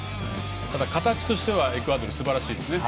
ただ、形としてはエクアドル、すばらしいですね。